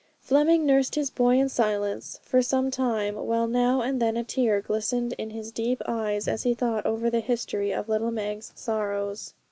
Fleming nursed his boy in silence for some time, while now and then a tear glistened in his deep eyes as he thought over the history of little Meg's sorrows.